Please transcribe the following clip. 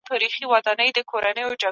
ښوونکی زدهکوونکو ته د هدف ټاکلو اهمیت ښيي.